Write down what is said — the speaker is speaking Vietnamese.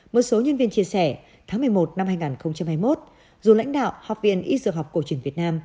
một số nhân viên chia sẻ tháng một mươi một năm hai nghìn hai mươi một dù lãnh đạo học viện y dược học cổ truyền việt nam